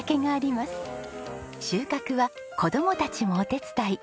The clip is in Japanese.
収穫は子供たちもお手伝い。